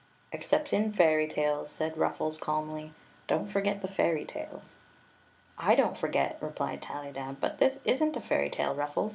" "Except in fairy tales," said Ruffles, calmly. " Don't forget the fairy tales." " I don't forget," replied Tallydab. « But this is n't a fairy tale. Ruffles.